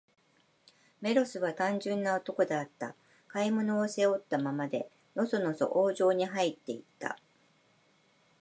メロスは、単純な男であった。買い物を、背負ったままで、のそのそ王城にはいって行った。